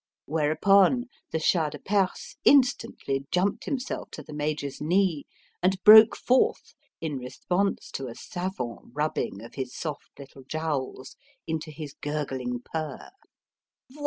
whereupon the Shah de Perse instantly jumped himself to the Major's knee and broke forth, in response to a savant rubbing of his soft little jowls, into his gurgling purr.